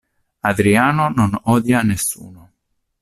Adriano non odia nessuno.